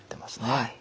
はい。